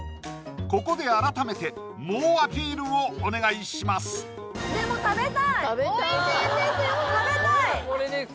ここで改めて猛アピールをお願いします美味しいんですよ